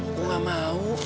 aku gak mau